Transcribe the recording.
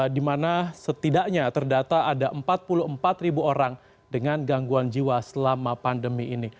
di mana setidaknya terdata ada empat puluh empat ribu orang dengan gangguan jiwa selama pandemi ini